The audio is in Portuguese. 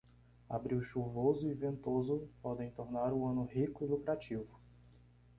Abril chuvoso e ventoso podem tornar o ano rico e lucrativo.